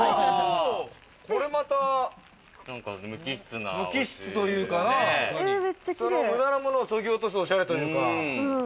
これまた無機質というかな、無駄なものをそぎ落とすおしゃれというか。